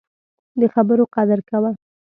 د خبرو قدر کوه